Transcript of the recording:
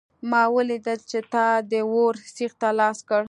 ما ولیدل چې تا د اور سیخ ته لاس کړ